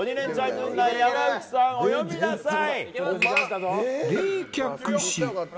軍団山内さん、お詠みなさい！